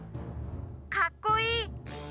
かっこいい。